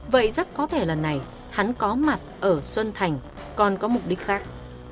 vậy rất có thể lần này hắn có mặt ở xuân thành còn có mục đích khác